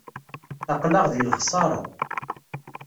Aql-aɣ deg lexsara.